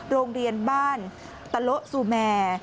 โรงเรียนบ้านตะโละซูแมร์